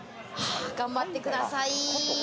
頑張ってください。